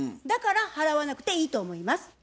だから払わなくていいと思います。